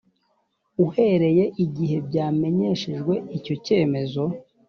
uhereye igihe byamenyeshejwe icyo cyemezo